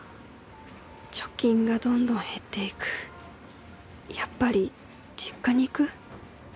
貯金がどんどん減っていくやっぱり実家に行く？